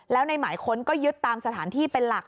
แล้วในหมายค้นก็ยึดตามสถานที่เป็นหลัก